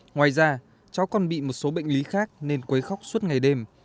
ngoài ra cháu còn bị một số bệnh lý khác nên quấy khóc suốt ngày đêm